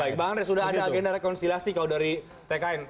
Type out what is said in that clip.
baik bang andre sudah ada agenda rekonsiliasi kalau dari tkn